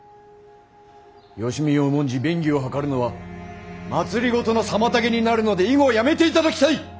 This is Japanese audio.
誼を重んじ便宜を図るのは政の妨げになるので以後やめていただきたい！